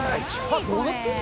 どうなってんの？